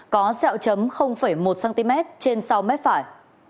có xeo chấm một cm trên sau mép phải